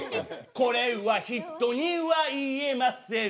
これは人には言えません